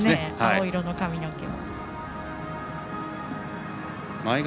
青色の髪の毛。